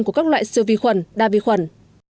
của các loại siêu vi khuẩn đa vi khuẩn